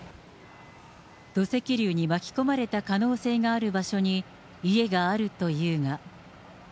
土石流に巻き込まれた可能性がある場所に家があるというが。